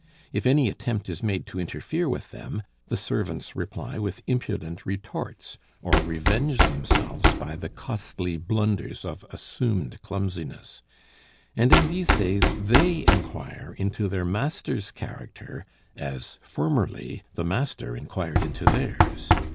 If any attempt is made to interfere with them, the servants reply with impudent retorts, or revenge themselves by the costly blunders of assumed clumsiness; and in these days they inquire into their master's character as, formerly, the master inquired into theirs.